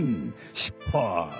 しっぱい！